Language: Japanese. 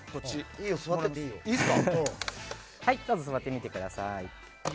どうぞ座ってみてください。